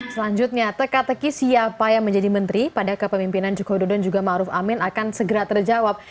selanjutnya teka teki siapa yang menjadi menteri pada kepemimpinan jokowi dodo dan juga maruf amin akan segera terjawab